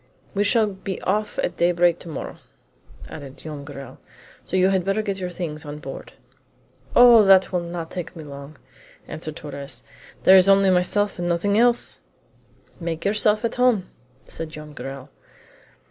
"We shall be off at daybreak to morrow," added Joam Garral, "so you had better get your things on board." "Oh, that will not take me long!" answered Torres; "there is only myself and nothing else!" "Make yourself at home," said Joam Garral.